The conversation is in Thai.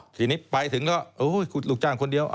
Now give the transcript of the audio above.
ทีนี้ไปถึงก็ลูกจ้างคนเดียว